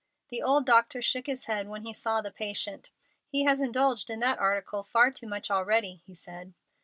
The old doctor shook his head when he saw the patient. "He has indulged in that article far too much already," he said.